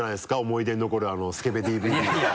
思い出に残るあのスケベＤＶＤが。